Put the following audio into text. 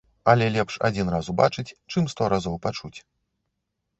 Але лепш адзін раз убачыць, чым сто разоў пачуць.